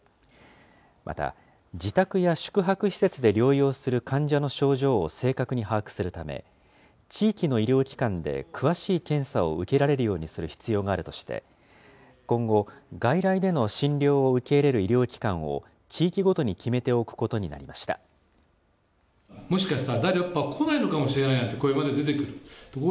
また、自宅や宿泊施設で療養する患者の症状を正確に把握するため、地域の医療機関で詳しい検査を受けられるようにする必要があるとして、今後、外来での診療を受け入れる医療機関を地域ごとに決めておくことになりました。